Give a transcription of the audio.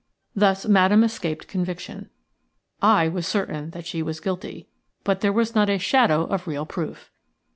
Thus Madame escaped conviction. I was certain that she was guilty, but there was not a shadow of real proof.